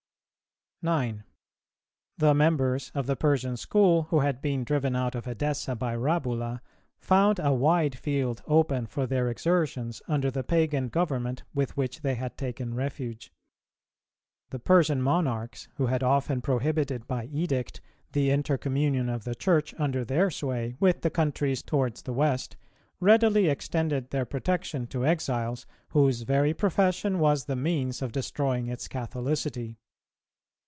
9. The members of the Persian school, who had been driven out of Edessa by Rabbula, found a wide field open for their exertions under the pagan government with which they had taken refuge. The Persian monarchs, who had often prohibited by edict[293:1] the intercommunion of the Church under their sway with the countries towards the west, readily extended their protection to exiles, whose very profession was the means of destroying its Catholicity.